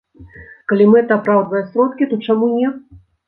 Калі мэта апраўдвае сродкі, то чаму не.